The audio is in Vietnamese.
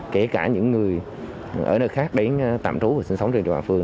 kể cả những người ở nơi khác đến tạm trú và sinh sống trên địa bàn phường